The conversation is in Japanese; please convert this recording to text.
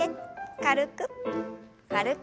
軽く軽く。